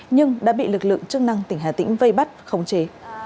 nhưng đã bị lực lượng chức năng tỉnh hà tĩnh vây bắt khống chế